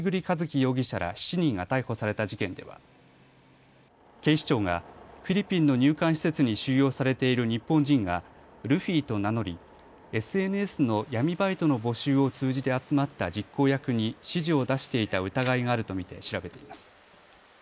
容疑者ら７人が逮捕された事件では警視庁がフィリピンの入管施設に収容されている日本人がルフィと名乗りＳＮＳの闇バイトの募集を通じて集まった実行役に指示を出していた疑いがあると見て調べています。